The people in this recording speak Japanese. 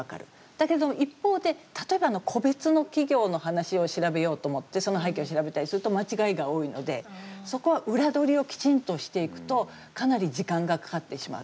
だけれども、一方で例えば、個別の企業の話を調べようと思ってその背景を調べたりすると間違いが多いのでそこは裏取りをきちんとしていくとかなり時間がかかってしまう。